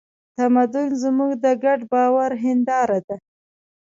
تمدن زموږ د ګډ باور هینداره ده.